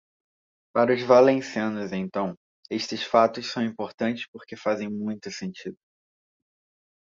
Para os valencianos, então, esses fatos são importantes porque fazem muito sentido.